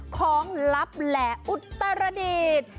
คล้องลับและอุตรดิษฐ์